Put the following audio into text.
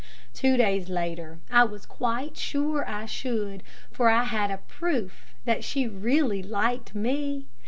Two days later I was quite sure I should, for I had a proof that she really liked me.